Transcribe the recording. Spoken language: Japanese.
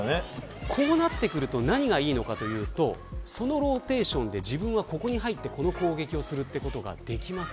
こうなってくると何がいいのかというとそのローテーションで自分はここに入ってこの攻撃をするということができます。